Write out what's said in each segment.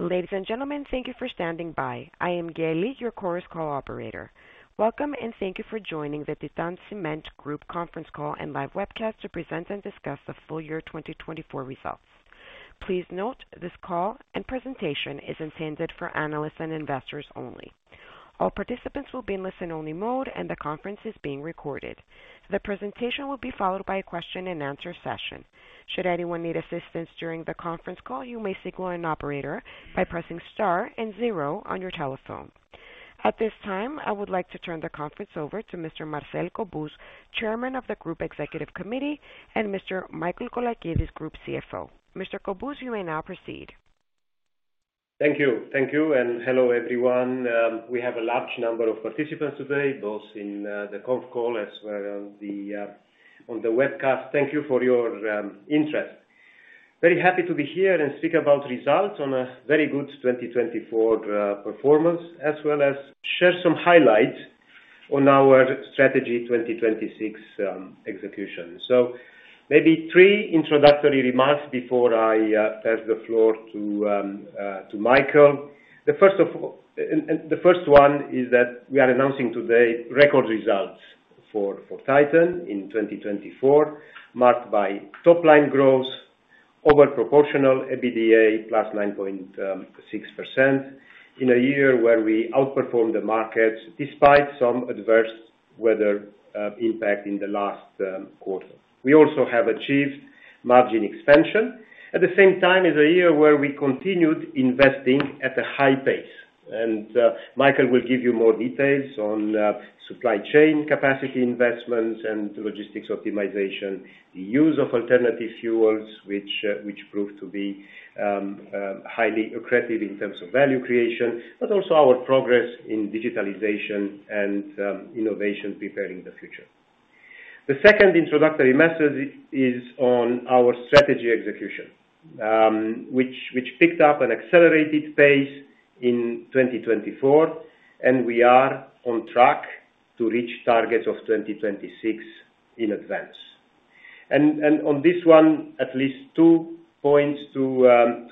Ladies and gentlemen, thank you for standing by. I am Gail Lee, your Chorus Call operator. Welcome and thank you for joining the Titan Cement Group conference call and live webcast to present and discuss the full year 2024 results. Please note this call and presentation is intended for analysts and investors only. All participants will be in listen-only mode, and the conference is being recorded. The presentation will be followed by a question-and-answer session. Should anyone need assistance during the conference call, you may signal an operator by pressing star and zero on your telephone. At this time, I would like to turn the conference over to Mr. Marcel Cobuz, Chairman of the Group Executive Committee, and Mr. Michael Colakides, Group CFO. Mr. Cobuz, you may now proceed. Thank you. Thank you. Hello, everyone. We have a large number of participants today, both in the conference call as well as on the webcast. Thank you for your interest. Very happy to be here and speak about results on a very good 2024 performance, as well as share some highlights on our strategy 2026 execution. Maybe three introductory remarks before I pass the floor to Michael. The first one is that we are announcing today record results for Titan in 2024, marked by top-line growth, overproportional EBITDA, plus 9.6% in a year where we outperformed the markets despite some adverse weather impact in the last quarter. We also have achieved margin expansion at the same time as a year where we continued investing at a high pace. Michael will give you more details on supply chain capacity investments and logistics optimization, the use of alternative fuels, which proved to be highly lucrative in terms of value creation, but also our progress in digitalization and innovation preparing the future. The second introductory message is on our strategy execution, which picked up an accelerated pace in 2024, and we are on track to reach targets of 2026 in advance. On this one, at least two points to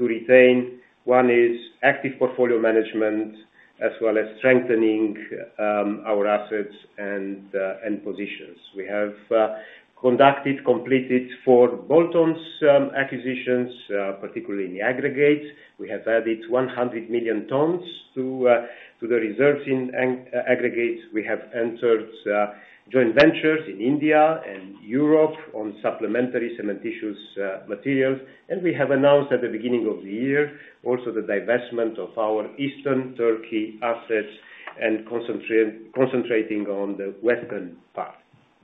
retain. One is active portfolio management, as well as strengthening our assets and positions. We have conducted, completed four bolt-on acquisitions, particularly in the aggregates. We have added 100 million tons to the reserves in aggregates. We have entered joint ventures in India and Europe on supplementary cementitious materials. We have announced at the beginning of the year also the divestment of our Eastern Turkey assets and concentrating on the Western part.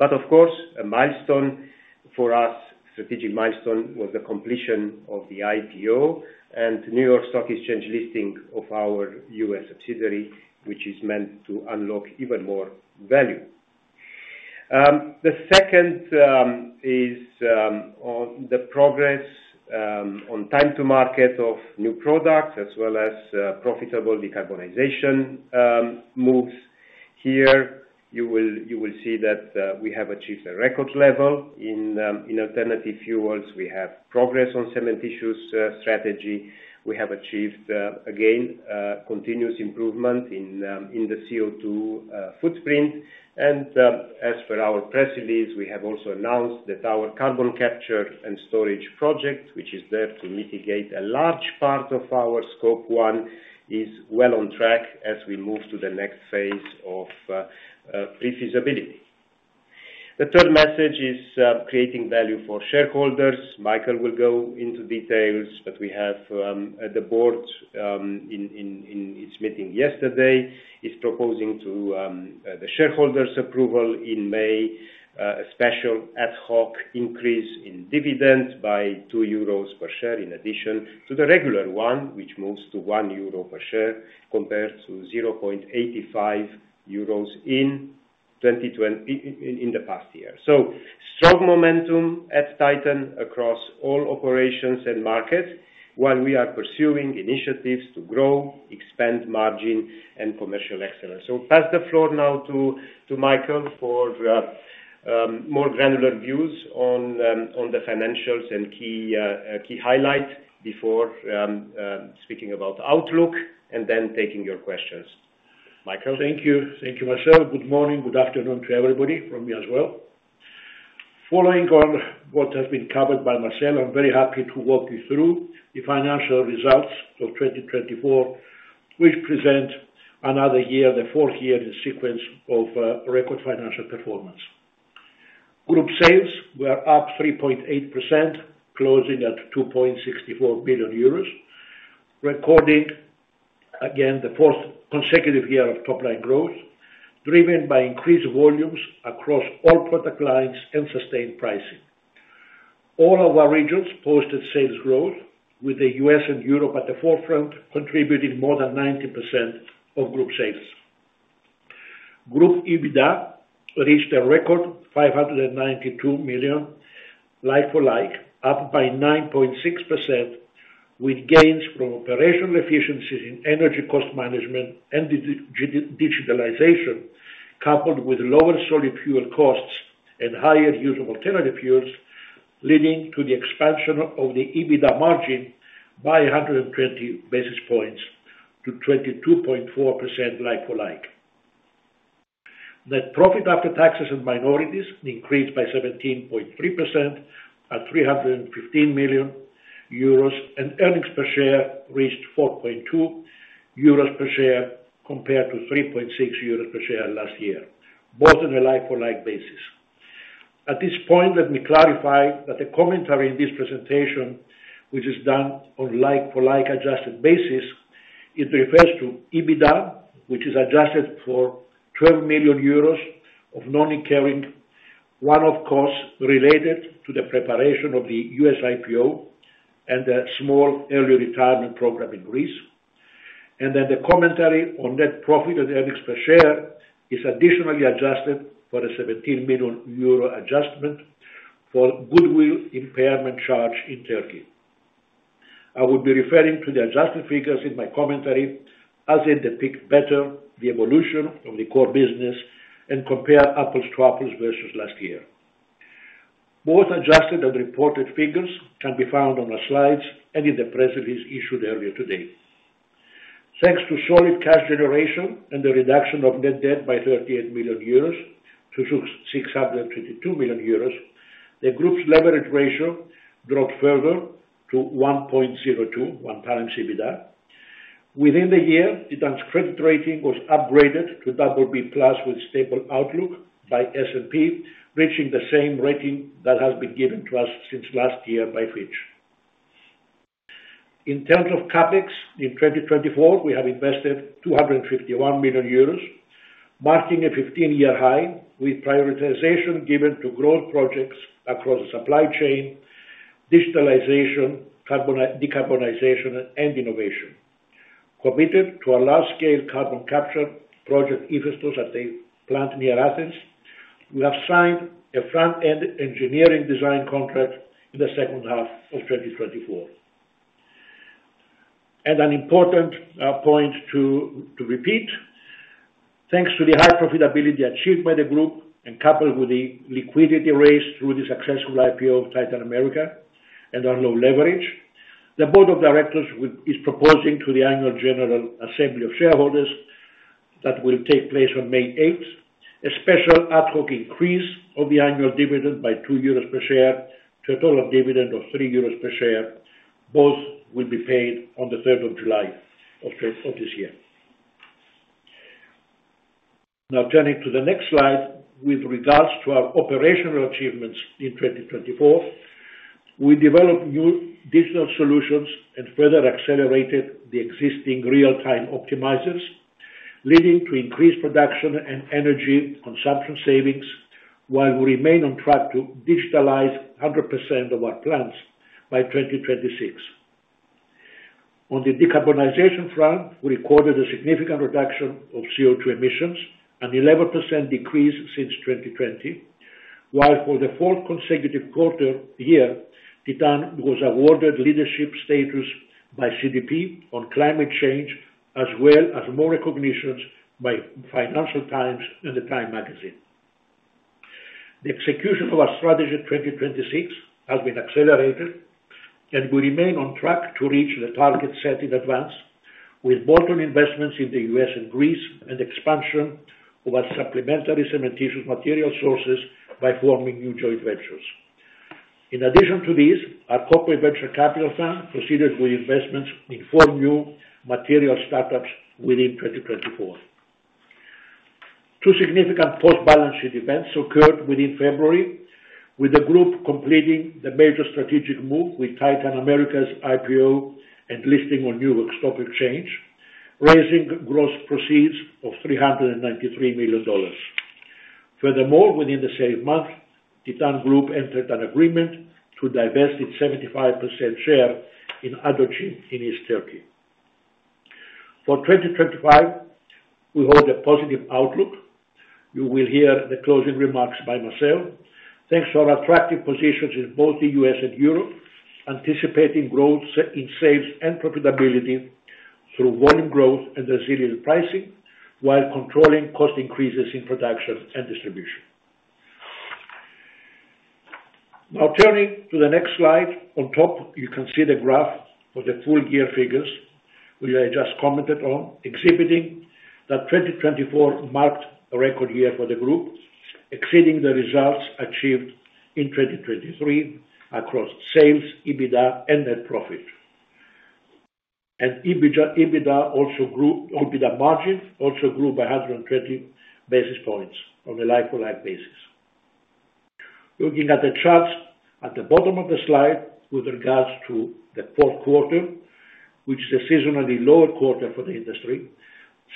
Of course, a milestone for us, a strategic milestone, was the completion of the IPO and New York Stock Exchange listing of our U.S. subsidiary, which is meant to unlock even more value. The second is on the progress on time-to-market of new products, as well as profitable decarbonization moves. Here you will see that we have achieved a record level in alternative fuels. We have progress on cement issues strategy. We have achieved, again, continuous improvement in the CO2 footprint. As for our press release, we have also announced that our carbon capture and storage project, which is there to mitigate a large part of our scope one, is well on track as we move to the next phase of pre-feasibility. The third message is creating value for shareholders. Michael will go into details, but we have the board in its meeting yesterday is proposing to the shareholders' approval in May a special ad hoc increase in dividends by 2 euros per share in addition to the regular one, which moves to 1 euro per share compared to 0.85 euros in the past year. Strong momentum at Titan across all operations and markets while we are pursuing initiatives to grow, expand margin, and commercial excellence. I will pass the floor now to Michael for more granular views on the financials and key highlights before speaking about outlook and then taking your questions. Michael. Thank you. Thank you, Marcel. Good morning. Good afternoon to everybody from me as well. Following on what has been covered by Marcel, I'm very happy to walk you through the financial results of 2024, which present another year, the fourth year in sequence of record financial performance. Group sales were up 3.8%, closing at 2.64 billion euros, recording again the fourth consecutive year of top-line growth, driven by increased volumes across all product lines and sustained pricing. All of our regions posted sales growth, with the U.S. and Europe at the forefront, contributing more than 90% of group sales. Group EBITDA reached a record 592 million like for like, up by 9.6%, with gains from operational efficiencies in energy cost management and digitalization, coupled with lower solid fuel costs and higher use of alternative fuels, leading to the expansion of the EBITDA margin by 120 basis points to 22.4% like for like. Net profit after taxes and minorities increased by 17.3% at 315 million euros, and earnings per share reached 4.2 euros per share compared to 3.6 euros per share last year, both on a like for like basis. At this point, let me clarify that the commentary in this presentation, which is done on like for like adjusted basis, it refers to EBITDA, which is adjusted for 12 million euros of non-incurring one-off costs related to the preparation of the U.S. IPO and a small early retirement program in Greece. The commentary on net profit and earnings per share is additionally adjusted for a 17 million euro adjustment for goodwill impairment charge in Turkey. I will be referring to the adjusted figures in my commentary as they depict better the evolution of the core business and compare apples to apples versus last year. Both adjusted and reported figures can be found on our slides and in the press release issued earlier today. Thanks to solid cash generation and the reduction of net debt by 38 million euros to 622 million euros, the group's leverage ratio dropped further to 1.02, one-time EBITDA. Within the year, Titan's credit rating was upgraded to BB+ with stable outlook by S&P, reaching the same rating that has been given to us since last year by Fitch. In terms of CapEx, in 2024, we have invested 251 million euros, marking a 15-year high, with prioritization given to growth projects across the supply chain, digitalization, decarbonization, and innovation. Committed to a large-scale carbon capture project IFESTOS at a plant near Athens, we have signed a front-end engineering design contract in the second half of 2024. An important point to repeat, thanks to the high profitability achieved by the group and coupled with the liquidity raised through the successful IPO of Titan America and our low leverage, the Board of Directors is proposing to the Annual General Assembly of Shareholders that will take place on May 8th a special ad hoc increase of the annual dividend by 2 euros per share to a total dividend of 3 euros per share. Both will be paid on the 3rd of July of this year. Now turning to the next slide with regards to our operational achievements in 2024, we developed new digital solutions and further accelerated the existing real-time optimizers, leading to increased production and energy consumption savings while we remain on track to digitalize 100% of our plants by 2026. On the decarbonization front, we recorded a significant reduction of CO2 emissions, an 11% decrease since 2020, while for the fourth consecutive quarter year, Titan was awarded leadership status by CDP on climate change, as well as more recognitions by Financial Times and The Times Magazine. The execution of our strategy 2026 has been accelerated, and we remain on track to reach the targets set in advance with bolt-on investments in the U.S. and Greece and expansion of our supplementary cementitious material sources by forming new joint ventures. In addition to these, our corporate venture capital fund proceeded with investments in four new material startups within 2024. Two significant post-balance sheet events occurred within February, with the group completing the major strategic move with Titan America's IPO and listing on New York Stock Exchange, raising gross proceeds of $393 million. Furthermore, within the same month, Titan Group entered an agreement to divest its 75% share in Adoçim in East Turkey. For 2025, we hold a positive outlook. You will hear the closing remarks by Marcel. Thanks to our attractive positions in both the U.S. and Europe, anticipating growth in sales and profitability through volume growth and resilient pricing while controlling cost increases in production and distribution. Now turning to the next slide, on top, you can see the graph for the full year figures, which I just commented on, exhibiting that 2024 marked a record year for the group, exceeding the results achieved in 2023 across sales, EBITDA, and net profit. EBITDA margin also grew by 120 basis points on a like for like basis. Looking at the charts at the bottom of the slide with regards to the fourth quarter, which is a seasonally lower quarter for the industry,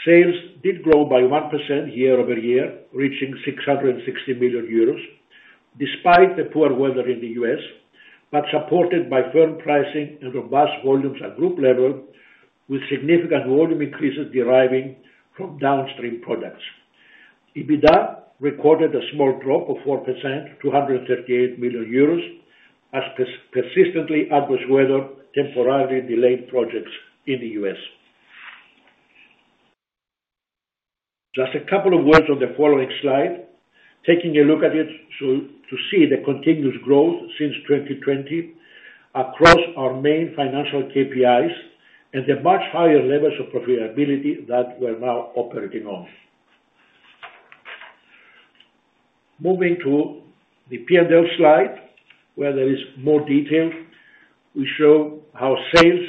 sales did grow by 1% year over year, reaching 660 million euros despite the poor weather in the U.S., but supported by firm pricing and robust volumes at group level, with significant volume increases deriving from downstream products. EBITDA recorded a small drop of 4%, 238 million euros, as persistently adverse weather temporarily delayed projects in the U.S. Just a couple of words on the following slide, taking a look at it to see the continuous growth since 2020 across our main financial KPIs and the much higher levels of profitability that we are now operating on. Moving to the P&L slide, where there is more detail, we show how sales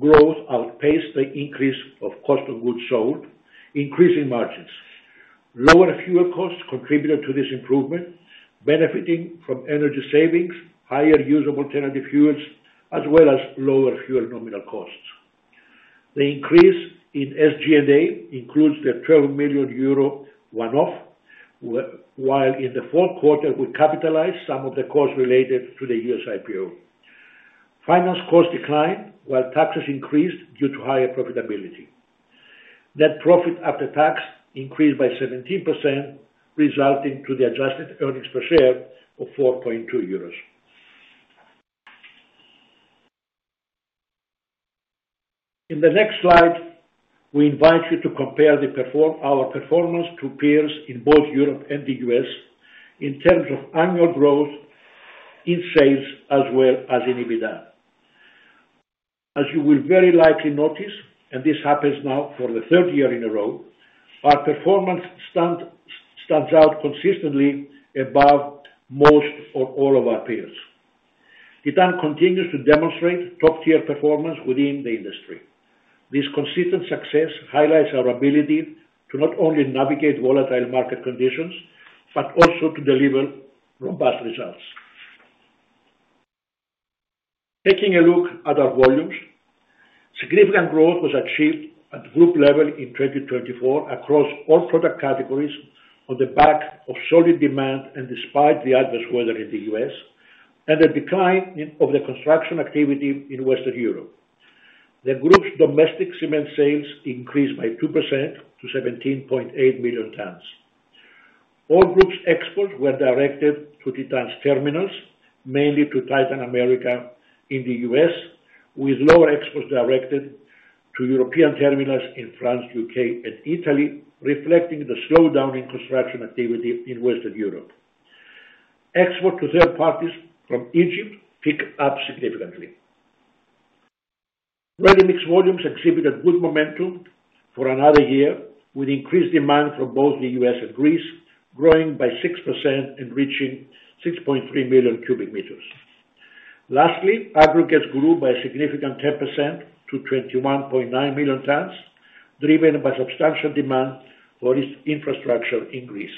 growth outpaced the increase of cost of goods sold, increasing margins. Lower fuel costs contributed to this improvement, benefiting from energy savings, higher use of alternative fuels, as well as lower fuel nominal costs. The increase in SG&A includes the 12 million euro one-off, while in the fourth quarter, we capitalized some of the costs related to the U.S. IPO. Finance costs declined while taxes increased due to higher profitability. Net profit after tax increased by 17%, resulting in the adjusted earnings per share of 4.2 euros. In the next slide, we invite you to compare our performance to peers in both Europe and the U.S. in terms of annual growth in sales as well as in EBITDA. As you will very likely notice, and this happens now for the third year in a row, our performance stands out consistently above most or all of our peers. Titan continues to demonstrate top-tier performance within the industry. This consistent success highlights our ability to not only navigate volatile market conditions, but also to deliver robust results. Taking a look at our volumes, significant growth was achieved at group level in 2024 across all product categories on the back of solid demand and despite the adverse weather in the U.S. and the decline of the construction activity in Western Europe. The group's domestic cement sales increased by 2% to 17.8 million tons. All group's exports were directed to Titan's terminals, mainly to Titan America in the U.S., with lower exports directed to European terminals in France, U.K., and Italy, reflecting the slowdown in construction activity in Western Europe. Export to third parties from Egypt picked up significantly. Ready-mix volumes exhibited good momentum for another year, with increased demand from both the U.S. and Greece, growing by 6% and reaching 6.3 million cubic meters. Lastly, aggregates grew by a significant 10% to 21.9 million tons, driven by substantial demand for its infrastructure in Greece.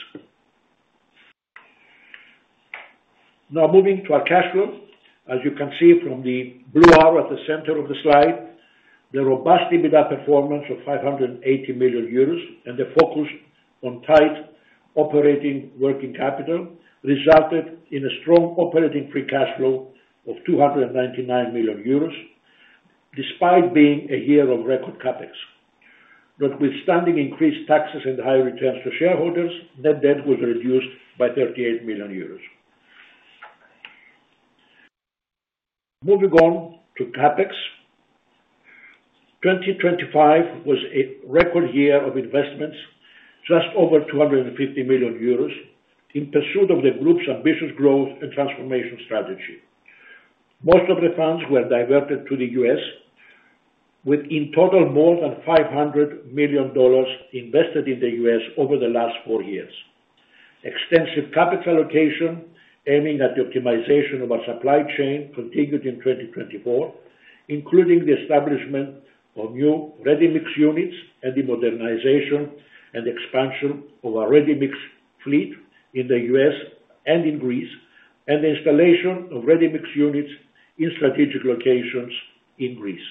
Now moving to our cash flow, as you can see from the blue arrow at the center of the slide, the robust EBITDA performance of 580 million euros and the focus on tight operating working capital resulted in a strong operating free cash flow of 299 million euros despite being a year of record CapEx. Withstanding increased taxes and high returns to shareholders, net debt was reduced by 38 million euros. Moving on to CapEx, 2025 was a record year of investments, just over 250 million euros, in pursuit of the group's ambitious growth and transformation strategy. Most of the funds were diverted to the U.S., with in total more than $500 million invested in the U.S. over the last four years. Extensive capital allocation aiming at the optimization of our supply chain continued in 2024, including the establishment of new ready-mix units and the modernization and expansion of our ready-mix fleet in the U.S. and in Greece, and the installation of ready-mix units in strategic locations in Greece.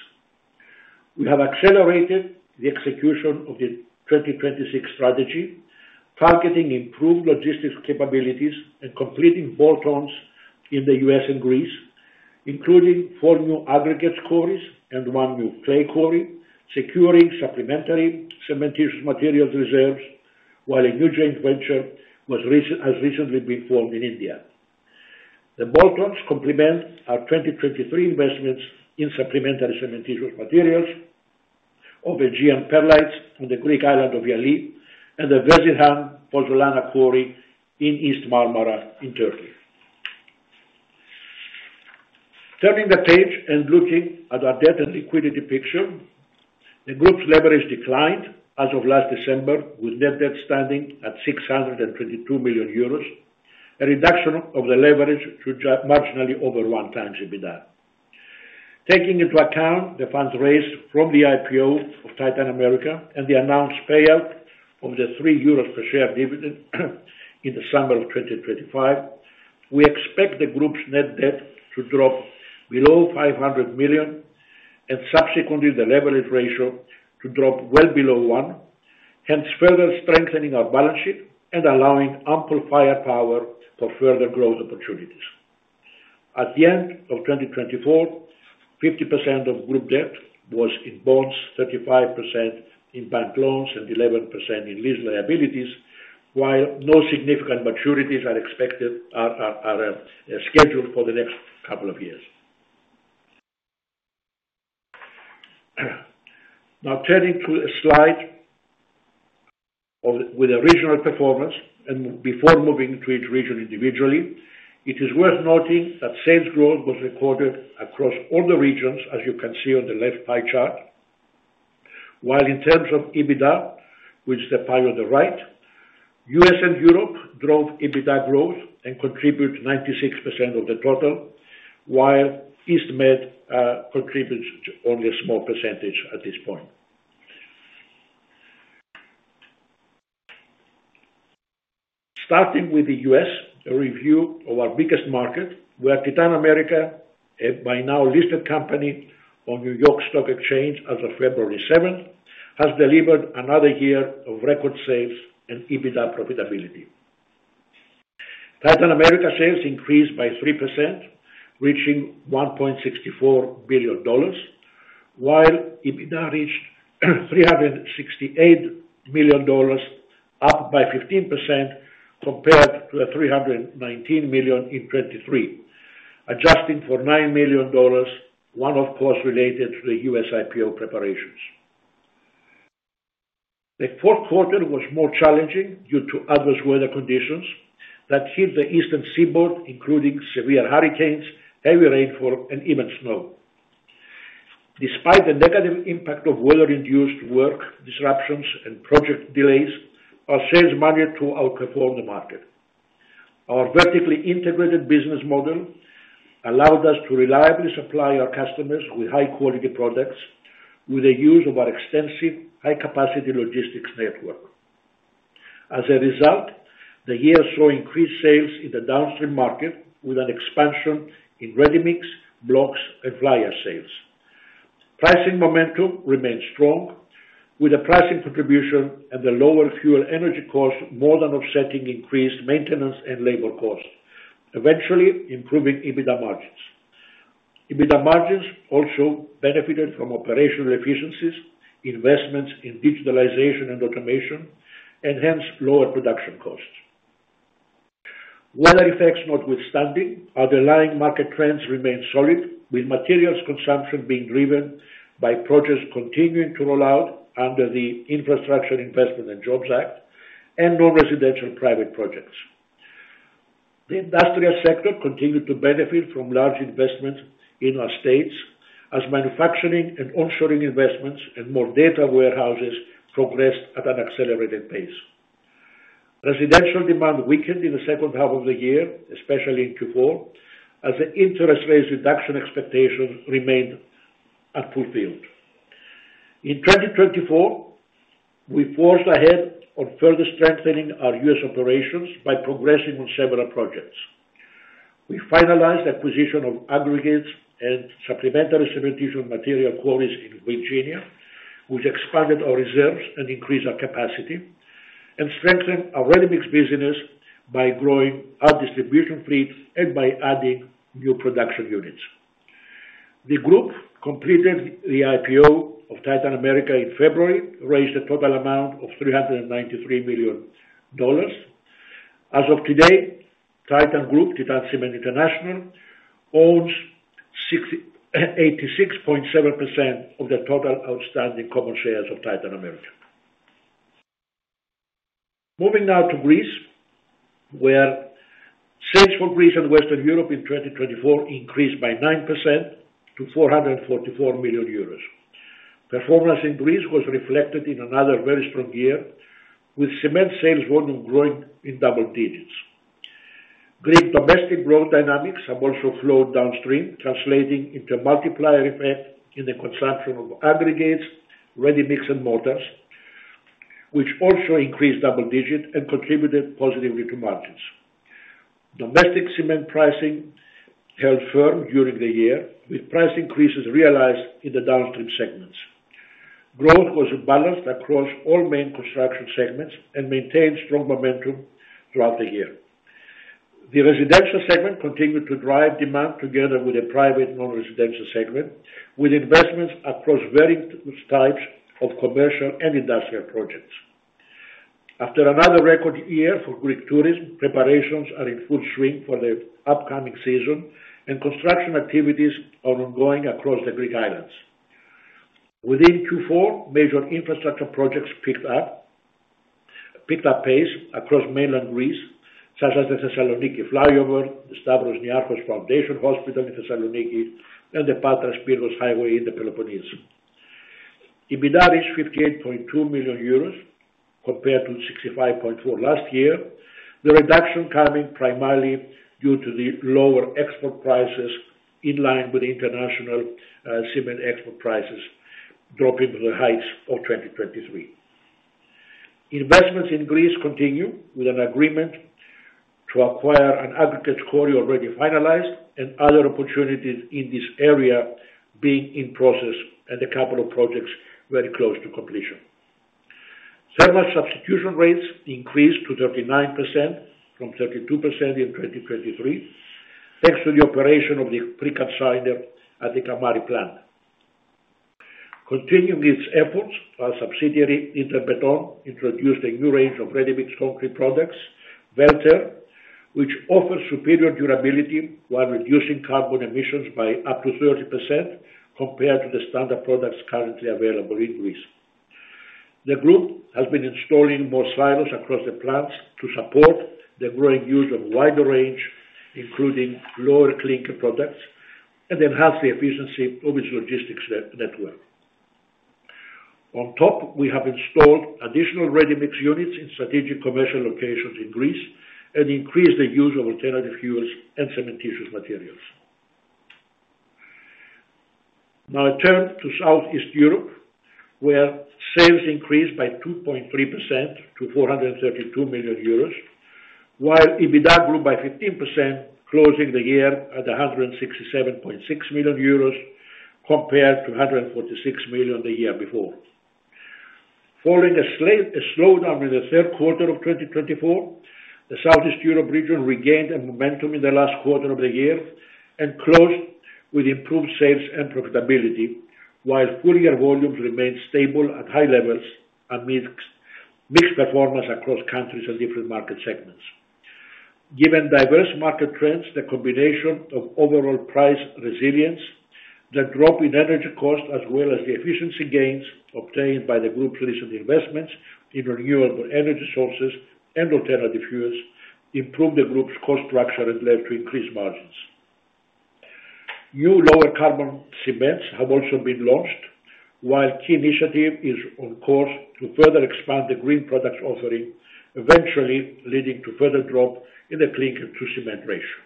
We have accelerated the execution of the 2026 strategy, targeting improved logistics capabilities and completing bolt-ons in the U.S. and Greece, including four new aggregate quarries and one new clay quarry, securing supplementary cementitious materials reserves, while a new joint venture has recently been formed in India. The bolt-ons complement our 2023 investments in supplementary cementitious materials of Aegean Perlites on the Greek island of Yali and the Vezirhan Pozzolana Quarry in East Marmara in Turkey. Turning the page and looking at our debt and liquidity picture, the group's leverage declined as of last December, with net debt standing at 622 million euros, a reduction of the leverage to marginally over one times EBITDA. Taking into account the funds raised from the IPO of Titan America and the announced payout of the 3 euros per share dividend in the summer of 2025, we expect the group's net debt to drop below 500 million and subsequently the leverage ratio to drop well below one, hence further strengthening our balance sheet and allowing ample firepower for further growth opportunities. At the end of 2024, 50% of group debt was in bonds, 35% in bank loans, and 11% in lease liabilities, while no significant maturities are scheduled for the next couple of years. Now turning to a slide with the regional performance and before moving to each region individually, it is worth noting that sales growth was recorded across all the regions, as you can see on the left pie chart, while in terms of EBITDA, which is the pie on the right, U.S. and Europe drove EBITDA growth and contributed 96% of the total, while East Med contributed only a small percentage at this point. Starting with the U.S., a review of our biggest market, where Titan America, a by now listed company on New York Stock Exchange as of February 7, has delivered another year of record sales and EBITDA profitability. Titan America sales increased by 3%, reaching $1.64 billion, while EBITDA reached $368 million, up by 15% compared to $319 million in 2023, adjusting for $9 million, one-off costs related to the U.S. IPO preparations. The fourth quarter was more challenging due to adverse weather conditions that hit the eastern seaboard, including severe hurricanes, heavy rainfall, and even snow. Despite the negative impact of weather-induced work disruptions and project delays, our sales managed to outperform the market. Our vertically integrated business model allowed us to reliably supply our customers with high-quality products with the use of our extensive high-capacity logistics network. As a result, the year saw increased sales in the downstream market with an expansion in ready-mix, blocks, and fly ash sales. Pricing momentum remained strong, with the pricing contribution and the lower fuel energy cost more than offsetting increased maintenance and labor costs, eventually improving EBITDA margins. EBITDA margins also benefited from operational efficiencies, investments in digitalization and automation, and hence lower production costs. Weather effects notwithstanding, underlying market trends remained solid, with materials consumption being driven by projects continuing to roll out under the Infrastructure Investment and Jobs Act and non-residential private projects. The industrial sector continued to benefit from large investments in our states as manufacturing and onshoring investments and more data warehouses progressed at an accelerated pace. Residential demand weakened in the second half of the year, especially in Q4, as the interest rate reduction expectations remained unfulfilled. In 2024, we forged ahead on further strengthening our U.S. operations by progressing on several projects. We finalized the acquisition of aggregates and supplementary cementitious material quarries in Virginia, which expanded our reserves and increased our capacity, and strengthened our ready-mix business by growing our distribution fleet and by adding new production units. The group completed the IPO of Titan America in February, raised a total amount of $393 million. As of today, Titan Group, Titan Cement International, owns 86.7% of the total outstanding common shares of Titan America. Moving now to Greece, where sales for Greece and Western Europe in 2024 increased by 9% to 444 million euros. Performance in Greece was reflected in another very strong year, with cement sales volume growing in double digits. Greek domestic growth dynamics have also flowed downstream, translating into a multiplier effect in the consumption of aggregates, ready-mix, and mortars, which also increased double digit and contributed positively to margins. Domestic cement pricing held firm during the year, with price increases realized in the downstream segments. Growth was balanced across all main construction segments and maintained strong momentum throughout the year. The residential segment continued to drive demand together with the private non-residential segment, with investments across various types of commercial and industrial projects. After another record year for Greek tourism, preparations are in full swing for the upcoming season, and construction activities are ongoing across the Greek islands. Within Q4, major infrastructure projects picked up pace across mainland Greece, such as the Thessaloniki Flyover, the Stavros Niarchos Foundation Hospital in Thessaloniki, and the Patras-Pyrgos Highway in the Peloponnese. EBITDA reached 58.2 million euros compared to 65.4 million last year, the reduction coming primarily due to the lower export prices in line with international cement export prices dropping to the heights of 2023. Investments in Greece continue, with an agreement to acquire an aggregate quarry already finalized and other opportunities in this area being in process and a couple of projects very close to completion. Thermal substitution rates increased to 39% from 32% in 2023, thanks to the operation of the pre-calciner at the Kamari plant. Continuing its efforts, our subsidiary INTERBETON introduced a new range of ready-mix concrete products, VELTER, which offers superior durability while reducing carbon emissions by up to 30% compared to the standard products currently available in Greece. The group has been installing more silos across the plants to support the growing use of a wider range, including lower clinker products, and enhance the efficiency of its logistics network. On top, we have installed additional ready-mix units in strategic commercial locations in Greece and increased the use of alternative fuels and cementitious materials. Now I turn to Southeast Europe, where sales increased by 2.3% to 432 million euros, while EBITDA grew by 15%, closing the year at 167.6 million euros compared to 146 million the year before. Following a slowdown in the third quarter of 2024, the Southeast Europe region regained momentum in the last quarter of the year and closed with improved sales and profitability, while full-year volumes remained stable at high levels amid mixed performance across countries and different market segments. Given diverse market trends, the combination of overall price resilience, the drop in energy cost, as well as the efficiency gains obtained by the group's recent investments in renewable energy sources and alternative fuels, improved the group's cost structure and led to increased margins. New lower carbon cements have also been launched, while key initiatives are on course to further expand the green products offering, eventually leading to further drop in the clinker-to-cement ratio.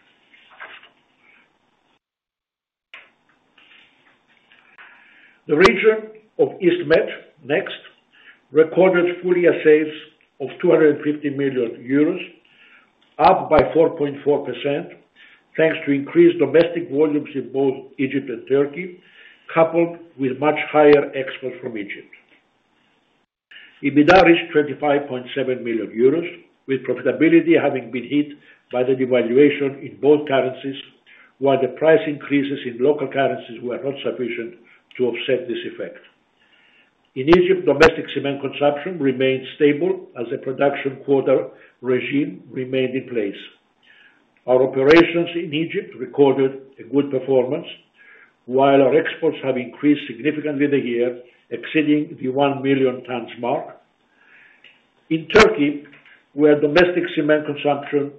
The region of East Med next recorded full-year sales of 250 million euros, up by 4.4%, thanks to increased domestic volumes in both Egypt and Turkey, coupled with much higher exports from Egypt. EBITDA reached 25.7 million euros, with profitability having been hit by the devaluation in both currencies, while the price increases in local currencies were not sufficient to offset this effect. In Egypt, domestic cement consumption remained stable as the production quarter regime remained in place. Our operations in Egypt recorded a good performance, while our exports have increased significantly the year, exceeding the one million tons mark. In Turkey, where domestic cement consumption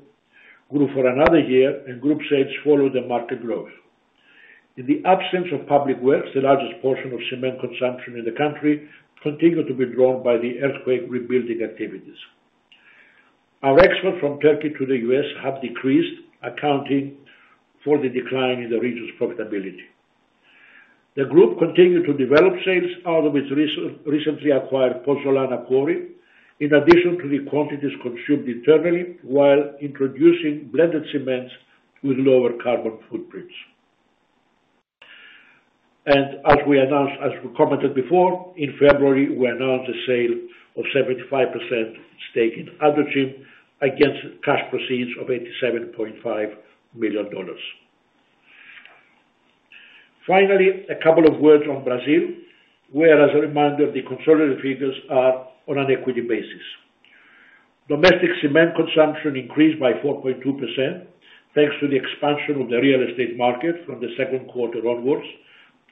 grew for another year, and group sales followed the market growth. In the absence of public works, the largest portion of cement consumption in the country continued to be drawn by the earthquake rebuilding activities. Our exports from Turkey to the U.S. have decreased, accounting for the decline in the region's profitability. The group continued to develop sales out of its recently acquired Pozzolana quarry, in addition to the quantities consumed internally, while introducing blended cements with lower carbon footprints. As we commented before, in February, we announced a sale of a 75% stake in Adocim against cash proceeds of $87.5 million. Finally, a couple of words on Brazil, where, as a reminder, the consolidated figures are on an equity basis. Domestic cement consumption increased by 4.2%, thanks to the expansion of the real estate market from the second quarter onwards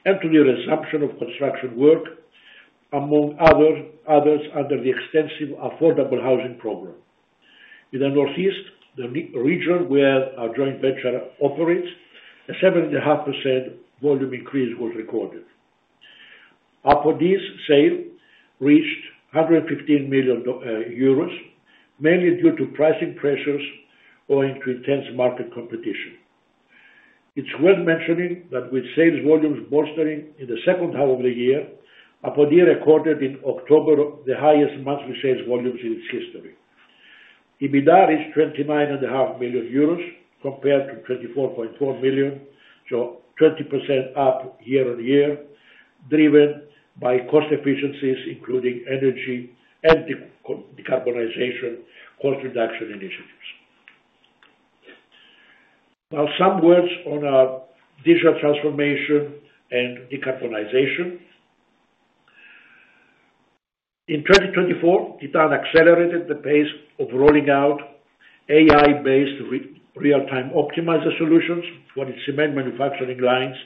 and to the resumption of construction work, among others under the extensive affordable housing program. In the northeast, the region where our joint venture operates, a 7.5% volume increase was recorded. Apodi's sale reached 115 million euros, mainly due to pricing pressures owing to intense market competition. It's worth mentioning that with sales volumes bolstering in the second half of the year, Apodi recorded in October the highest monthly sales volumes in its history. EBITDA reached 29.5 million euros compared to 24.4 million, so 20% up year on year, driven by cost efficiencies, including energy and decarbonization cost reduction initiatives. Now some words on our digital transformation and decarbonization. In 2024, Titan accelerated the pace of rolling out AI-based real-time optimizer solutions for its cement manufacturing lines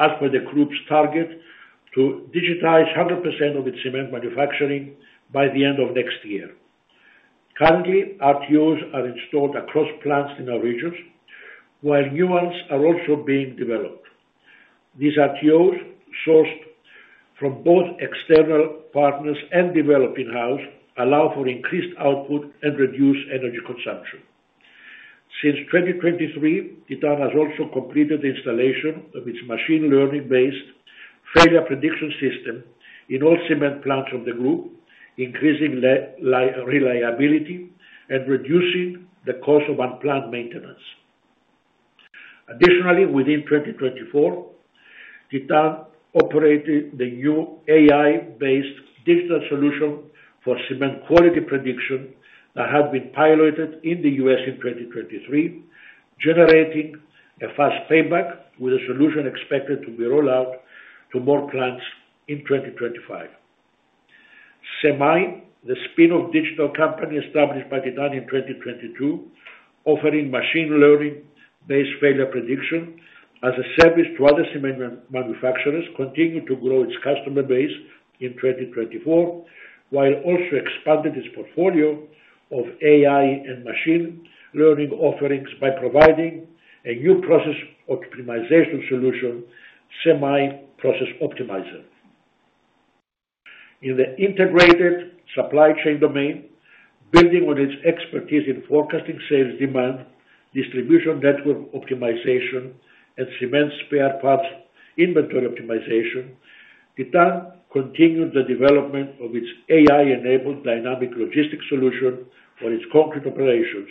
as per the group's target to digitize 100% of its cement manufacturing by the end of next year. Currently, RTOs are installed across plants in our regions, while new ones are also being developed. These RTOs, sourced from both external partners and developing houses, allow for increased output and reduce energy consumption. Since 2023, Titan has also completed the installation of its machine learning-based failure prediction system in all cement plants of the group, increasing reliability and reducing the cost of unplanned maintenance. Additionally, within 2024, Titan operated the new AI-based digital solution for cement quality prediction that had been piloted in the U.S. in 2023, generating a fast payback with a solution expected to be rolled out to more plants in 2025. CemAI, the spin-off digital company established by Titan in 2022, offering machine learning-based failure prediction as a service to other cement manufacturers, continued to grow its customer base in 2024, while also expanded its portfolio of AI and machine learning offerings by providing a new process optimization solution, CemAI Process Optimizer. In the integrated supply chain domain, building on its expertise in forecasting sales demand, distribution network optimization, and cement spare parts inventory optimization, Titan continued the development of its AI-enabled dynamic logistics solution for its concrete operations,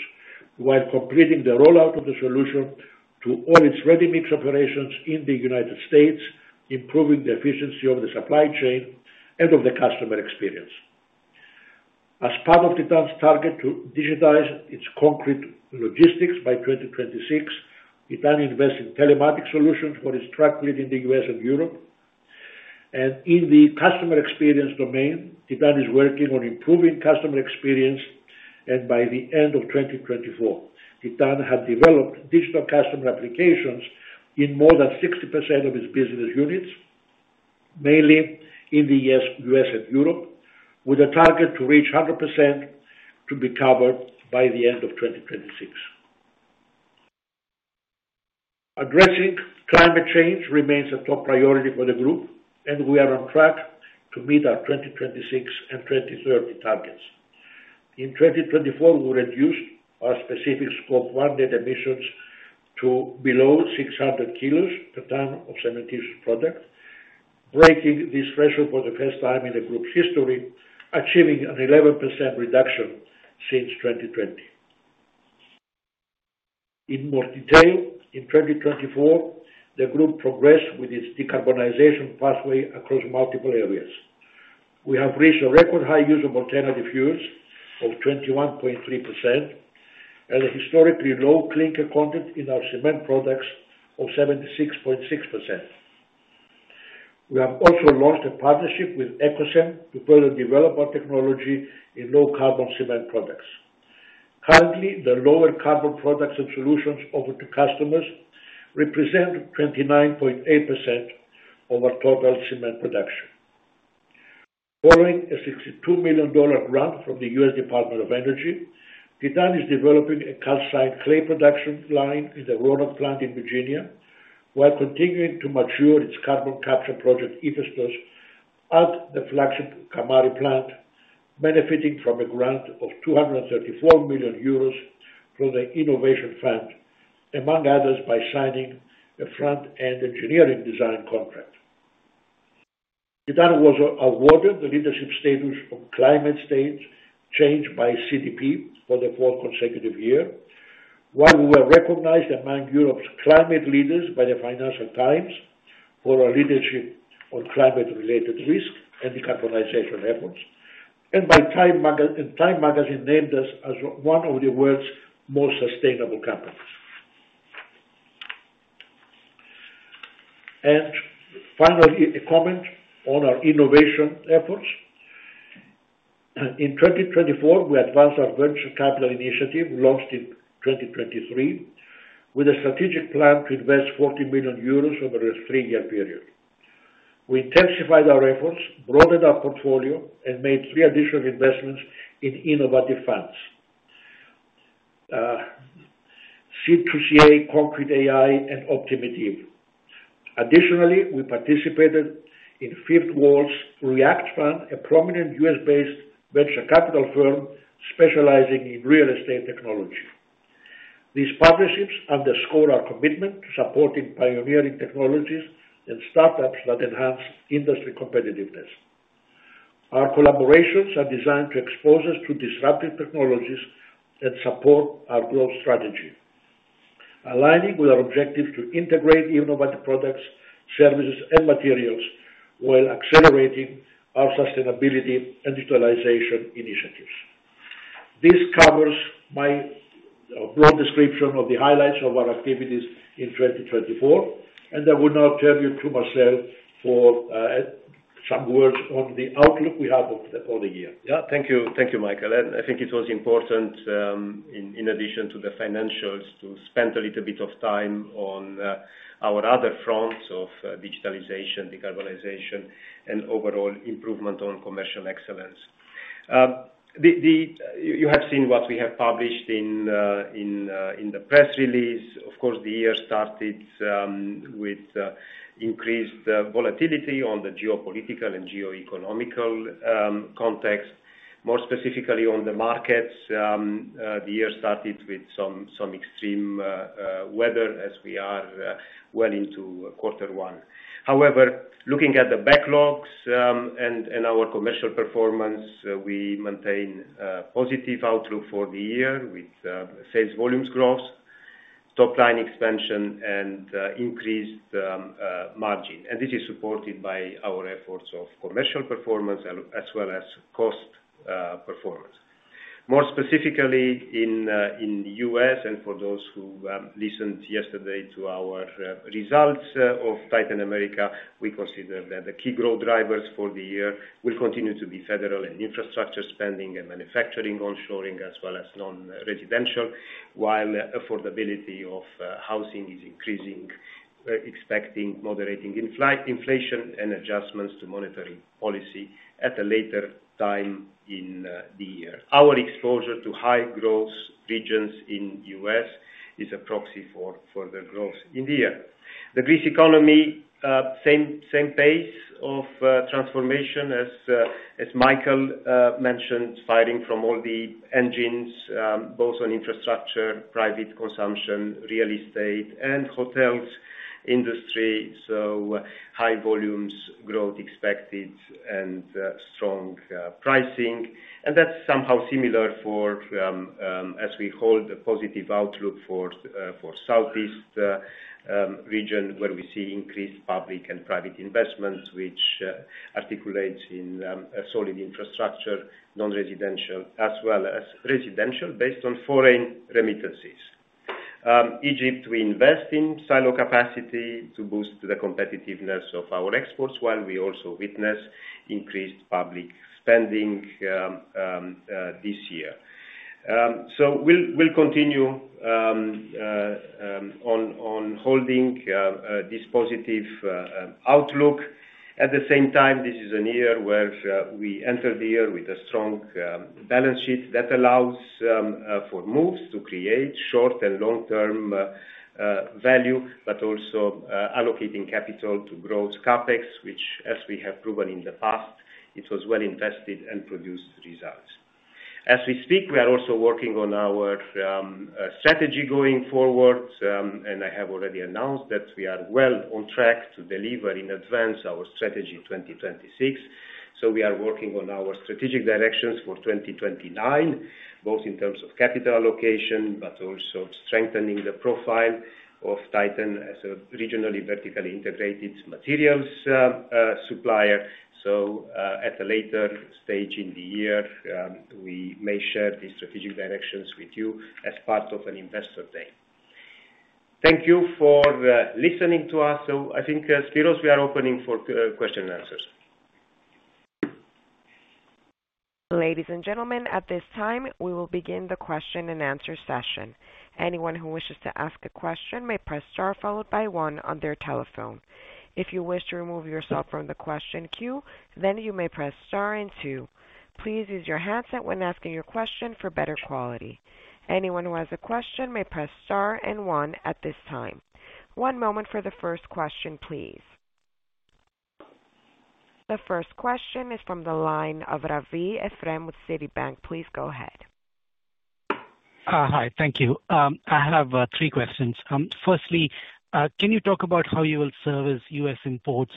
while completing the rollout of the solution to all its ready-mix operations in the U.S., improving the efficiency of the supply chain and of the customer experience. As part of Titan's target to digitize its concrete logistics by 2026, Titan invests in telematics solutions for its truck fleet in the U.S. and Europe. In the customer experience domain, Titan is working on improving customer experience, and by the end of 2024, Titan had developed digital customer applications in more than 60% of its business units, mainly in the U.S. and Europe, with a target to reach 100% to be covered by the end of 2026. Addressing climate change remains a top priority for the group, and we are on track to meet our 2026 and 2030 targets. In 2024, we reduced our specific scope one net emissions to below 600 kilos per ton of cementitious product, breaking this threshold for the first time in the group's history, achieving an 11% reduction since 2020. In more detail, in 2024, the group progressed with its decarbonization pathway across multiple areas. We have reached a record high use of alternative fuels of 21.3% and a historically low clinker content in our cement products of 76.6%. We have also launched a partnership with Ecocem to further develop our technology in low carbon cement products. Currently, the lower carbon products and solutions offered to customers represent 29.8% of our total cement production. Following a $62 million grant from the U.S. Department of Energy, Titan is developing a calcite clay production line in the Roanoke plant in Virginia, while continuing to mature its carbon capture project, IFESTOS, at the flagship Kamari plant, benefiting from a grant of 234 million euros from the Innovation Fund, among others, by signing a front-end engineering design contract. Titan was awarded the leadership status of climate stage change by CDP for the fourth consecutive year, while we were recognized among Europe's climate leaders by the Financial Times for our leadership on climate-related risk and decarbonization efforts, and by Time Magazine named us as one of the world's most sustainable companies. Finally, a comment on our innovation efforts. In 2024, we advanced our venture capital initiative launched in 2023 with a strategic plan to invest 40 million euros over a three-year period. We intensified our efforts, broadened our portfolio, and made three additional investments in innovative funds: C2CA, Concrete.ai, and Optimitive. Additionally, we participated in Fifth Wall's React Fund, a prominent U.S.-based venture capital firm specializing in real estate technology. These partnerships underscore our commitment to supporting pioneering technologies and startups that enhance industry competitiveness. Our collaborations are designed to expose us to disruptive technologies and support our growth strategy, aligning with our objectives to integrate innovative products, services, and materials while accelerating our sustainability and digitalization initiatives. This covers my broad description of the highlights of our activities in 2024, and I will now turn you to Marcel for some words on the outlook we have for the following year. Yeah, thank you, Michael. I think it was important, in addition to the financials, to spend a little bit of time on our other fronts of digitalization, decarbonization, and overall improvement on commercial excellence. You have seen what we have published in the press release. Of course, the year started with increased volatility on the geopolitical and geoeconomical context, more specifically on the markets. The year started with some extreme weather as we are well into quarter one. However, looking at the backlogs and our commercial performance, we maintain a positive outlook for the year with sales volumes growth, top-line expansion, and increased margin. This is supported by our efforts of commercial performance as well as cost performance. More specifically, in the U.S., and for those who listened yesterday to our results of Titan America, we consider that the key growth drivers for the year will continue to be federal and infrastructure spending and manufacturing onshoring, as well as non-residential, while affordability of housing is increasing, expecting moderating inflation and adjustments to monetary policy at a later time in the year. Our exposure to high-growth regions in the U.S. is a proxy for further growth in the year. The Greece economy, same pace of transformation as Michael mentioned, firing from all the engines, both on infrastructure, private consumption, real estate, and hotels industry. High volumes growth expected and strong pricing. That is somehow similar as we hold a positive outlook for the Southeast region, where we see increased public and private investments, which articulates in solid infrastructure, non-residential, as well as residential based on foreign remittances. Egypt, we invest in silo capacity to boost the competitiveness of our exports, while we also witness increased public spending this year. We will continue on holding this positive outlook. At the same time, this is a year where we enter the year with a strong balance sheet that allows for moves to create short and long-term value, but also allocating capital to growth CapEx, which, as we have proven in the past, it was well invested and produced results. As we speak, we are also working on our strategy going forward, and I have already announced that we are well on track to deliver in advance our strategy 2026. We are working on our strategic directions for 2029, both in terms of capital allocation, but also strengthening the profile of Titan as a regionally vertically integrated materials supplier. At a later stage in the year, we may share these strategic directions with you as part of an investor day. Thank you for listening to us. I think, Spyros, we are opening for questions and answers. Ladies and gentlemen, at this time, we will begin the question and answer session. Anyone who wishes to ask a question may press star followed by one on their telephone. If you wish to remove yourself from the question queue, then you may press star and two. Please use your handset when asking your question for better quality. Anyone who has a question may press star and one at this time. One moment for the first question, please. The first question is from the line of Ephrem Ravi with Citibank. Please go ahead. Hi, thank you. I have three questions. Firstly, can you talk about how you will service U.S. imports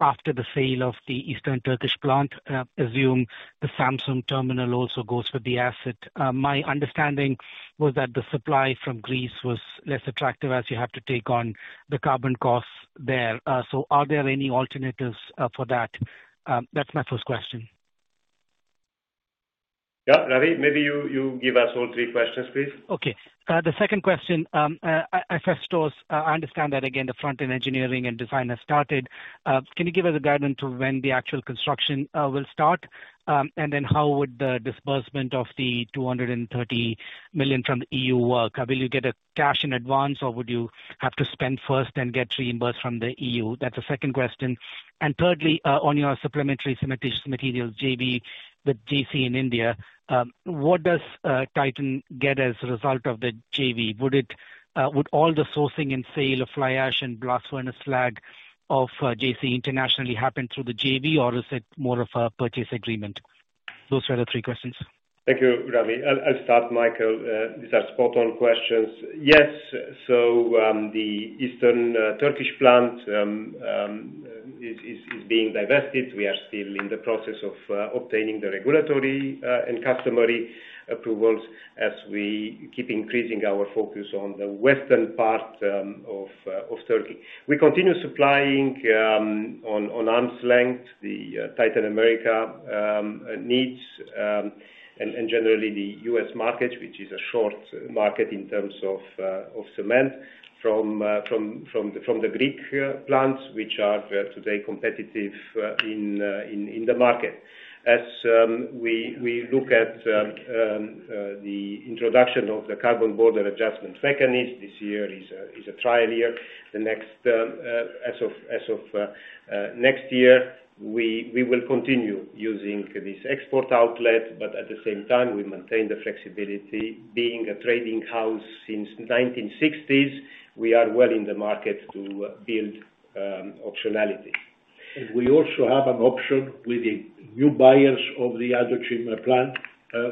after the sale of the Eastern Turkish plant? Assume the Samsung terminal also goes with the asset. My understanding was that the supply from Greece was less attractive as you have to take on the carbon costs there. Are there any alternatives for that? That is my first question. Yeah, Ravi, maybe you give us all three questions, please. Okay. The second question, IFESTOS, I understand that again, the front-end engineering and design has started. Can you give us a guidance to when the actual construction will start? How would the disbursement of the 230 million from the EU work? Will you get cash in advance, or would you have to spend first and get reimbursed from the EU? That is the second question. Thirdly, on your supplementary cementitious materials JV with JAYCEE in India, what does Titan get as a result of the JV? Would all the sourcing and sale of fly ash and blast furnace slag of JAYCEE internationally happen through the JV, or is it more of a purchase agreement? Those were the three questions. Thank you, Ravi. I'll start Michael. These are spot-on questions. Yes, the Eastern Turkish plant is being divested. We are still in the process of obtaining the regulatory and customary approvals as we keep increasing our focus on the western part of Turkey. We continue supplying on arm's length the Titan America needs and generally the U.S. market, which is a short market in terms of cement from the Greek plants, which are today competitive in the market. As we look at the introduction of the Carbon Border Adjustment Mechanism, this year is a trial year. As of next year, we will continue using this export outlet, but at the same time, we maintain the flexibility. Being a trading house since the 1960s, we are well in the market to build optionality. We also have an option with the new buyers of the Adocim plant.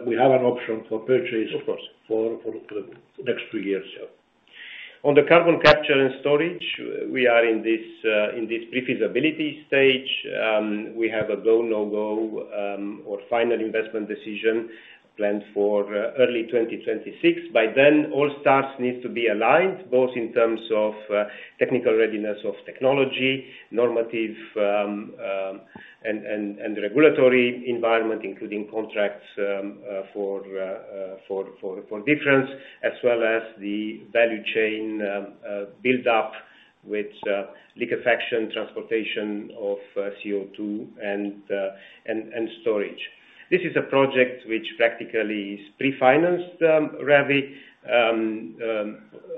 We have an option for purchase for the next two years. On the carbon capture and storage, we are in this pre-feasibility stage. We have a go, no go, or final investment decision planned for early 2026. By then, all stars need to be aligned, both in terms of technical readiness of technology, normative, and regulatory environment, including contracts for difference, as well as the value chain build-up with liquefaction, transportation of CO2, and storage. This is a project which practically is pre-financed, Ravi.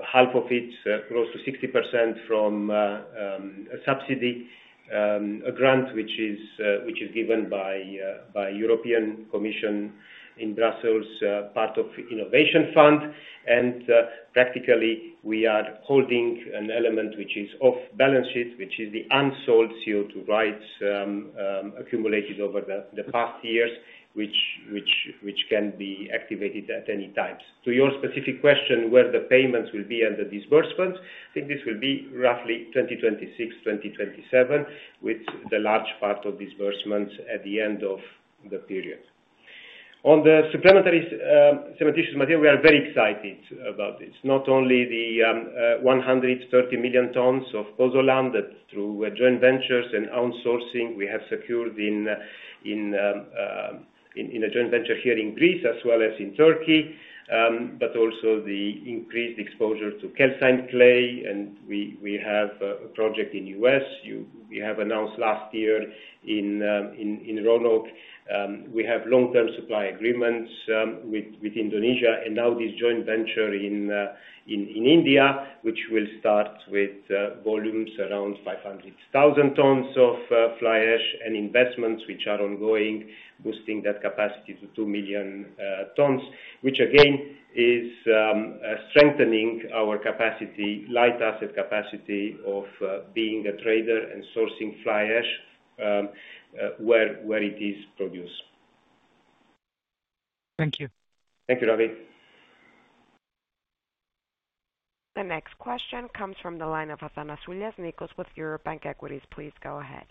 Half of it grows to 60% from a subsidy grant, which is given by the European Commission in Brussels as part of the innovation fund. Practically, we are holding an element which is off balance sheet, which is the unsold CO2 rights accumulated over the past years, which can be activated at any time. To your specific question, where the payments will be and the disbursements, I think this will be roughly 2026-2027, with the large part of disbursements at the end of the period. On the supplementary cementitious material, we are very excited about this. Not only the 130 million tons of Pozzolana that, through joint ventures and outsourcing, we have secured in a joint venture here in Greece, as well as in Turkey, but also the increased exposure to calcite clay. We have a project in the U.S. we have announced last year in Roanoke. We have long-term supply agreements with Indonesia, and now this joint venture in India, which will start with volumes around 500,000 tons of fly ash and investments which are ongoing, boosting that capacity to two million tons, which again is strengthening our capacity, light asset capacity of being a trader and sourcing fly ash where it is produced. Thank you. Thank you, Ravi. The next question comes from the line of Nikos Athanasioulias with Eurobank Equities. Please go ahead.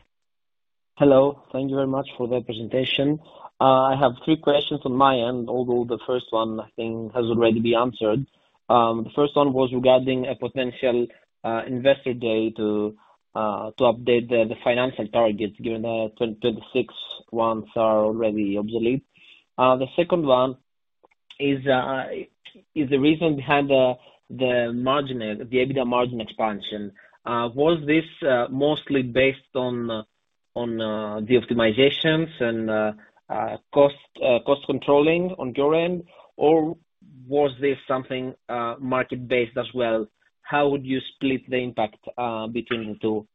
Hello. Thank you very much for the presentation. I have three questions on my end, although the first one, I think, has already been answered. The first one was regarding a potential investor day to update the financial targets given that 2026 ones are already obsolete. The second one is the reason behind the EBITDA margin expansion. Was this mostly based on the optimizations and cost controlling on your end, or was this something market-based as well? How would you split the impact between the two?